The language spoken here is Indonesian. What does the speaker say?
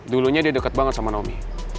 dulunya dia deket banget sama naomi